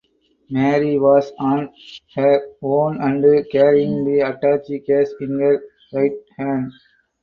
Mary was on her own and carrying the attache case in her right hand.